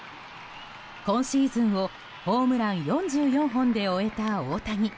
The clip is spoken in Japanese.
今シーズンをホームラン４４本で終えた大谷。